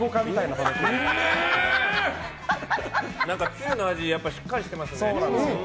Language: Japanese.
つゆの味、しっかりしてますね。